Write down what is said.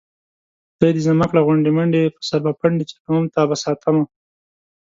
خدای دې زما کړه غونډې منډې په سر به پنډې چلوم تابه ساتمه